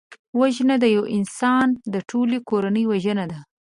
وژنه د یو انسان نه، د ټولي کورنۍ وژنه ده